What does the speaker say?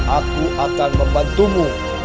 aku akan membantumu